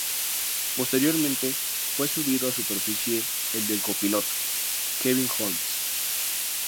Posteriormente fue subido a superficie el del copiloto, Kevin Holmes.